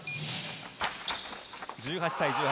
１８対１８。